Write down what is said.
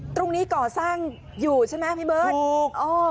ตรงนี้ก่อสร้างอยู่ใช่ไหมเหมือนนิ้อง